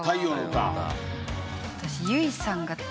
私。